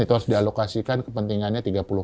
itu harus dialokasikan kepentingannya tiga puluh